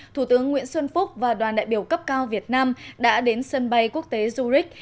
thủ tướng nguyễn xuân phúc và đoàn đại biểu cấp cao việt nam đã đến sân bay quốc tế zurich